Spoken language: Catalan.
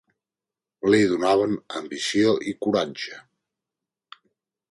Li donaven ambició i coratge